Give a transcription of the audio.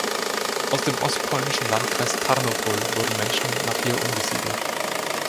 Aus dem ostpolnischen Landkreis Tarnopol wurden Menschen nach hier umgesiedelt.